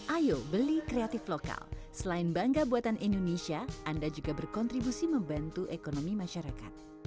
ayo beli kreatif lokal selain bangga buatan indonesia anda juga berkontribusi membantu ekonomi masyarakat